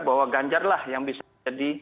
bahwa ganjar lah yang bisa jadi